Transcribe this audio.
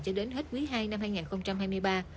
cho đến hồi tháng thứ ba